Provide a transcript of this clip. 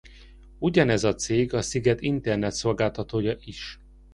Ugyanez a cég a sziget internetszolgáltatója is.